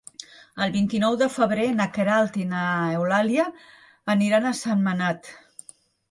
El vint-i-nou de febrer na Queralt i n'Eulàlia aniran a Sentmenat.